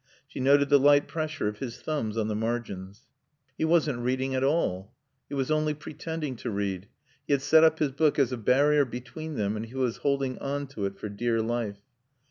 She noted the light pressure of his thumbs on the margins. He wasn't reading at all; he was only pretending to read. He had set up his book as a barrier between them, and he was holding on to it for dear life.